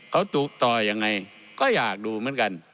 แล้วตลกต่อยังไงก็อยากดูเหมือนกัน